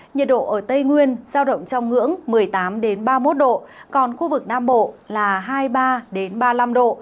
nhiệt độ ở tây nguyên giao động trong ngưỡng một mươi tám ba mươi một độ còn khu vực nam bộ là hai mươi ba ba mươi năm độ